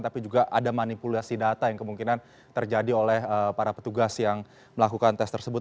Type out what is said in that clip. tapi juga ada manipulasi data yang kemungkinan terjadi oleh para petugas yang melakukan tes tersebut